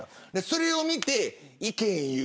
それを見て意見を言う。